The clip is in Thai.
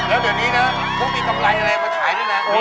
และตอนนี้นะก็มีกำไรอะไรมาขายด้วยนะ